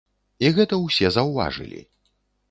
І гэта ўсе заўважылі.